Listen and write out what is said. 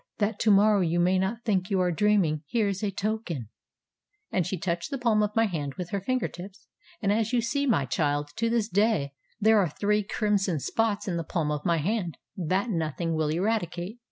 ŌĆ£That to morrow you may not think you are dreaming, here is a token, ŌĆØ and she touched the palm of my hand with her finger tips, and as you see, my child, to this day, there are three crimson spots in the palm of my hand that nothing will eradicate.